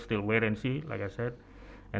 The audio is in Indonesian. seperti yang saya katakan